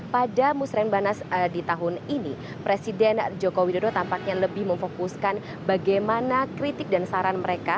pada musrembanas di tahun ini presiden joko widodo tampaknya lebih memfokuskan bagaimana kritik dan saran mereka